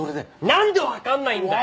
なんでわかんないんだよ！